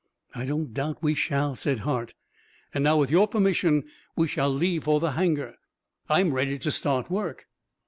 "I don't doubt we shall," said Hart. "And now, with your permission, we shall leave for the hangar. I'm ready to start work."